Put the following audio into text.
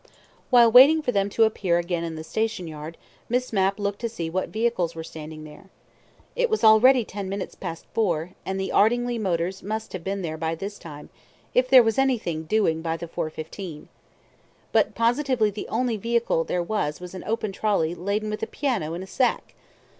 While waiting for them to appear again in the station yard, Miss Mapp looked to see what vehicles were standing there. It was already ten minutes past four, and the Ardingly motors must have been there by this time, if there was anything "doing" by the 4.15. But positively the only vehicle there was an open trolly laden with a piano in a sack.